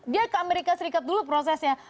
dia ke amerika serikat dulu prosesnya